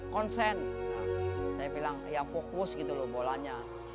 konsen saya bilang yang fokus gitu loh bolanya